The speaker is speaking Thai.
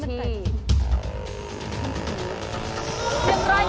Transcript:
แต่นี่มันใกล้